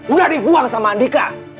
udah diguang sama andika